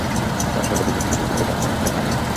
তার সর্বাধিক বিক্রীত বইটি হল "দ্য ক্রনিকল অফ নার্নিয়া"।